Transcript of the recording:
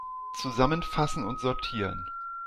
Zusammenfassen und sortieren!